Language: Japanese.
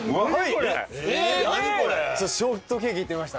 「ショートケーキ」って言いました？